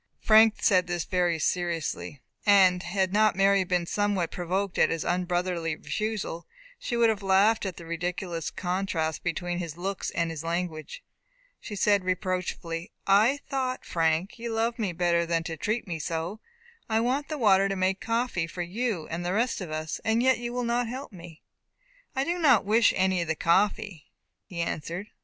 Frank said this very seriously, and had not Mary been somewhat provoked at his unbrotherly refusal, she would have laughed at the ridiculous contrast between his looks and his language. She said, reproachfully, "I thought, Frank, you loved me better than to treat me so. I want the water to make coffee for you, and the rest of us, and yet you will not help me." "I do not wish any of the coffee," he answered.